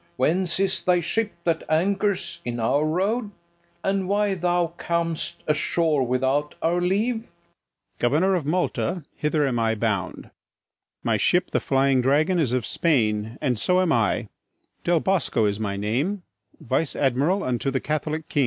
Whence is thy ship that anchors in our road? And why thou cam'st ashore without our leave? MARTIN DEL BOSCO. Governor of Malta, hither am I bound; My ship, the Flying Dragon, is of Spain, And so am I; Del Bosco is my name, Vice admiral unto the Catholic King.